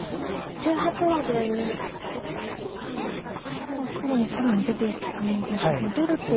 ここは黒も更に出ていきたいですが出ると。